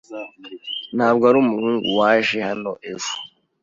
Ntabwo ari umuhungu waje hano ejo.